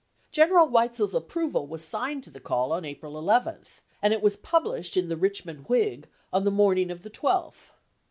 General Weitzel's approval was signed to the call 1865. on April 11, and it was published in the "Rich mond Whig " on the morning of the 12th.